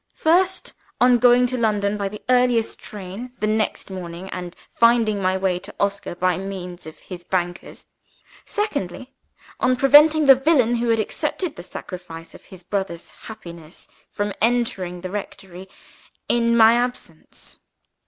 First, on going to London by the earliest train the next morning, and finding my way to Oscar by means of his bankers. Secondly, on preventing the villain who had accepted the sacrifice of his brother's happiness from entering the rectory in my absence.